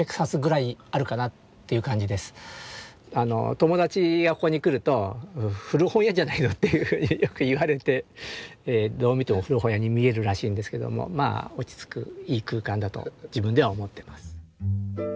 友達がここに来ると「古本屋じゃないの？」というふうによく言われてどう見ても古本屋に見えるらしいんですけどもまあ落ち着くいい空間だと自分では思ってます。